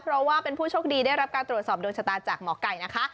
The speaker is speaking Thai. เพราะว่าเป็นผู้โชคดีได้รับการตรวจสอบดวงชะตาจากหมอไก่นะคะ